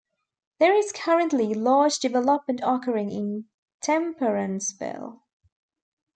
There is currently large development occurring in Temperanceville.